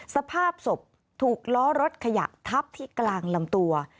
สภาพศพถูกล้อรถขยะทับที่กลางลำตัว